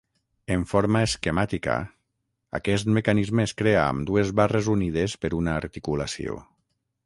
En forma esquemàtica, aquest mecanisme es crea amb dues barres unides per una articulació.